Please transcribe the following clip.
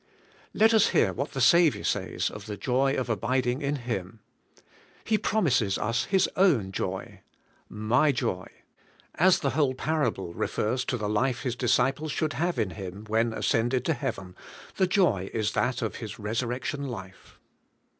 Let us hear what the Saviour says of the joy of abiding in Him. He promises us Bis own joy: 'My joy.' As the whole parable refers to the life His disciples should have in Him when ascended to heav en, the joy is that of His resurrection life.